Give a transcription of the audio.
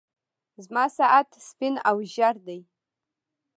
زما ساعت سپين او ژړ دی.